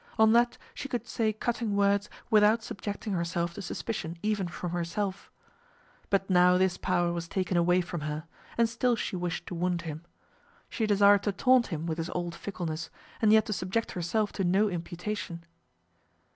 On that she could say cutting words without subjecting herself to suspicion even from herself. But now this power was taken away from her, and still she wished to wound him. She desired to taunt him with his old fickleness, and yet to subject herself to no imputation.